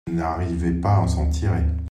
Il n’arrivait pas à s’en tirer.